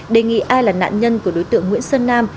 đề nghị ai là nạn nhân của đối tượng nguyễn sơn nam